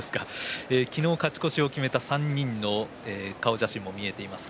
昨日、勝ち越しを決めた３人の顔写真も見えています。